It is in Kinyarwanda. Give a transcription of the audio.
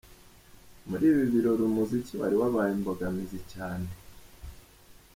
Muri ibi birori umuziki wari wabaye imbogamizi cyane.